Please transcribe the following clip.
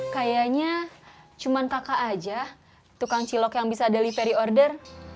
kayaknya cuma kakak aja tukang cilok yang bisa delivery order